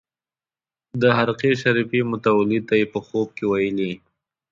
د خرقې شریفې متولي ته یې په خوب کې ویلي.